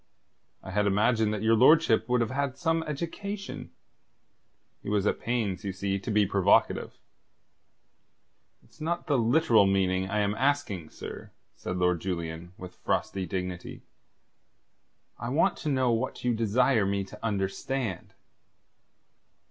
"I had imagined that your lordship would have had some education." He was at pains, you see, to be provocative. "It's not the literal meaning I am asking, sir," said Lord Julian, with frosty dignity. "I want to know what you desire me to understand?"